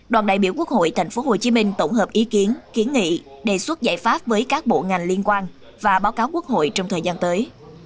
đoàn đại biểu quốc hội tp hcm tổng hợp ý kiến kiến nghị đề xuất giải pháp với các bộ ngành liên quan và báo cáo quốc hội trong thời gian tới